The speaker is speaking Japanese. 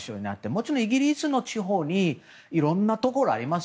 もちろん、イギリスの地方にいろんなところあります。